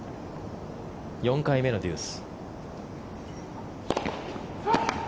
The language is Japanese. ４回目のデュース。